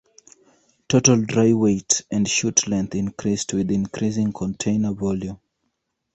Total dry weight and shoot length increased with increasing container volume.